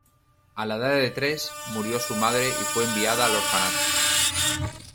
A la edad de tres murió su madre y fue enviada a un orfanato.